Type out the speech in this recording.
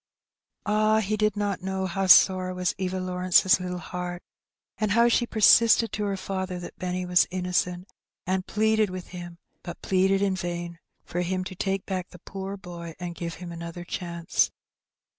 Ah ! he did not know how sore was Eva Lawrence's little heart, and how she persisted to her father that Benny was innocent, and pleaded with him, but pleaded in vain, for him to take back the poor boy and give him another chance.